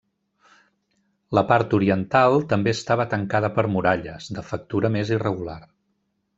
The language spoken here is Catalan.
La part oriental també estava tancada per muralles, de factura més irregular.